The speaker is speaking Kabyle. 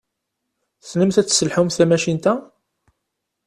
Tessnemt ad tesselḥumt tamacint-a?